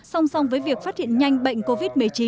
song song với việc phát hiện nhanh bệnh covid một mươi chín